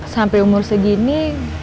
sampai umur segini